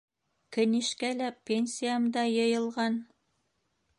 Кенишкәлә пенсиям да йыйылған.